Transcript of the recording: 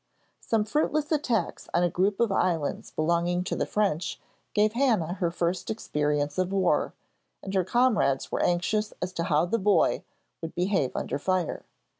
Some fruitless attacks on a group of islands belonging to the French gave Hannah her first experience of war, and her comrades were anxious as to how 'the boy' would behave under fire.